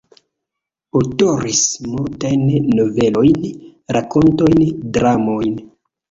Aŭtoris multajn novelojn, rakontojn, dramojn.